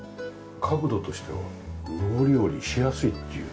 角度としては上り下りしやすいっていう。